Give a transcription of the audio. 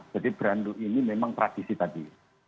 jadi brandu ini memang tradisi tadi